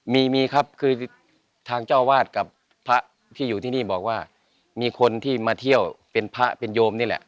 มีมีครับคือทางเจ้าวาดกับพระที่อยู่ที่นี่บอกว่ามีคนที่มาเที่ยวเป็นพระเป็นโยมนี่แหละ